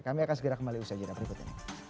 kami akan segera kembali usai jadwal berikutnya